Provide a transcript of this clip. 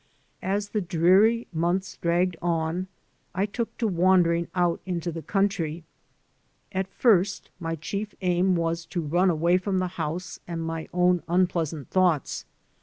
As the dreary months dragged on I took to wandering out into the country. At first my chief aim was to run away from the house and my own unpleasant thoughts.